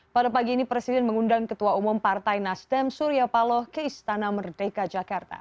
pada pagi ini presiden mengundang ketua umum partai nasdem surya paloh ke istana merdeka jakarta